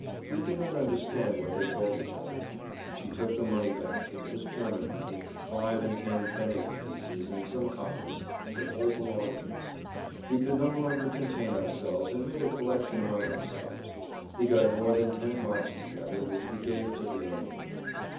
We could not understand what they told each other. She took the money back; it was German money, five and ten pfennig pieces and some coppers[Pg 167]—her whole belongings. We could no longer contain ourselves and made a collection among ourselves. We got more than ten marks together which we gave to the young woman.